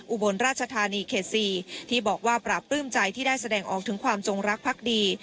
อุบลราชธานีเขต๔ที่บอกว่าปราบปลื้มใจที่ได้แสดงออกถึงความจงรักพักดี